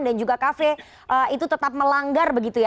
dan juga kafe itu tetap melanggar begitu ya